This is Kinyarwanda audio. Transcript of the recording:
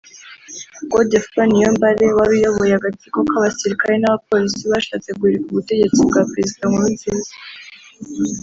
Godefroid Niyombare wari uyoboye agatsiko k’abasirikare n’abapolisi bashatse guhirika ubutegetsi bwa Perezida Nkurunziza